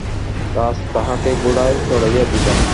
রাজা তাহাকে ঘোড়ায় চড়াইয়া দিলেন।